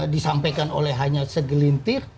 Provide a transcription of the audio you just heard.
disampaikan oleh hanya segelintir